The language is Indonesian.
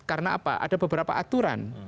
karena apa ada beberapa aturan